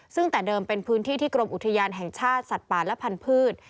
ซึ่งแต่เดิมเป็นพื้นที่ที่กรมอุทยานแห่งชาติสัตว์ป่าและพันธุ์